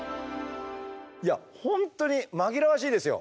いや本当に紛らわしいですよ。